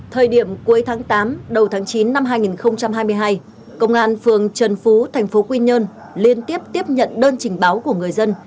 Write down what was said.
thời điểm cuối tháng tám đầu tháng chín năm hai nghìn hai mươi hai công an phường trần phú tp quy nhơn liên tiếp tiếp nhận đơn trình báo của người dân